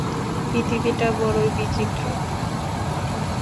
পৃথিবীটা বড়ই বিচিত্র।